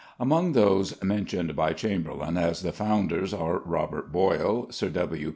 Among those mentioned by Chamberlayne as the founders are Robert Boyle, Sir W.